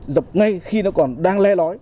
giảm ngay khi nó còn đang le lói